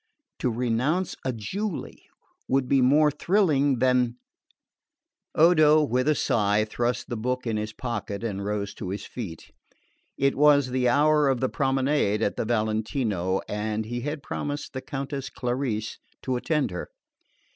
To renounce a Julie would be more thrilling than Odo, with a sigh, thrust the book in his pocket and rose to his feet. It was the hour of the promenade at the Valentino and he had promised the Countess Clarice to attend her.